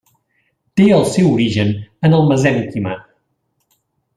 Té el seu origen en el mesènquima.